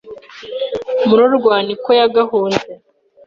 Murorwa ni ko yagahunze